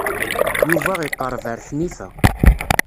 Yuba iqerreb ar Ḥnifa.